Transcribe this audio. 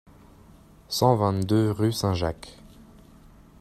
cent vingt-deux rUE SAINT-JACQUES